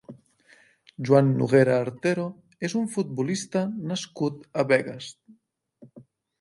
Joan Noguera Artero és un futbolista nascut a Begues.